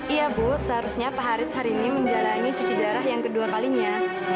iya bu seharusnya pak haris hari ini menjalani cuci darah yang kedua kalinya